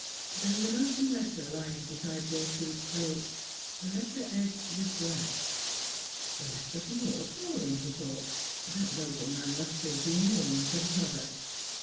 There was an open letter lying beside Gertrude's plate, a letter edged with black. The letter from Lord Paulyn, he thought. That noble man must be still in mourning for his mother.